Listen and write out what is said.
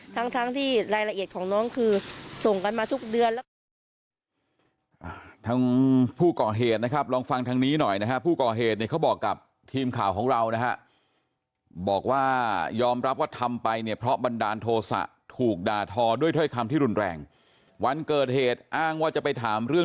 ทั้งทั้งที่รายละเอียดของน้องคือส่งกันมาทุกเดือน